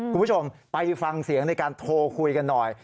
คุณผู้ชมไปฟังเสียงในการโทรคุยกันหน่อย